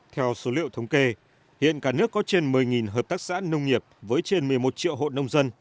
theo số liệu thống kê hiện cả nước có trên một mươi hợp tác xã nông nghiệp với trên một mươi một triệu hộ nông dân